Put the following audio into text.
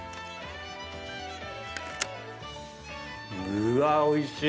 うわっおいしい！